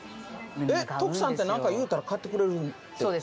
えっ徳さんってなんか言うたら買ってくれるって。